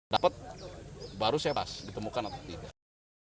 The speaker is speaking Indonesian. dapat baru saya berhasil ditemukan atau tidak